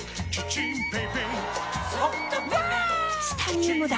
チタニウムだ！